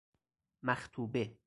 مخطوبه